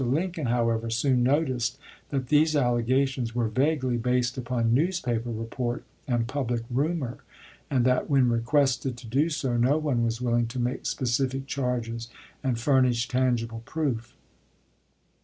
Lincoln, however, soon noticed that these allegations were vaguely based upon news paper report and public rumor, and that, when re quested to do so, no one was willing to make specific charges and furnish tangible proof.